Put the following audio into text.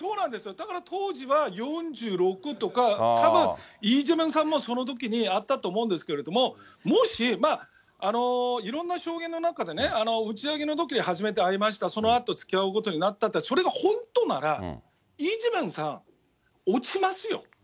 だから当時は４６とか、たぶんイ・ジェミョンさんもそのときに会ったと思うんですけど、もし、いろんな証言の中でね、打ち上げのときに初めて会いました、そのあとつきあうことになったって、それが本当なら、イ・ジェミョンさん、落ちますよ。